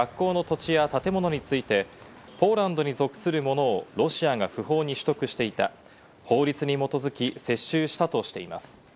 ポーランド外務省は、学校の土地や建物についてポーランドに属するものをロシアが不法に取得していた、法律に基づき接収したとしています。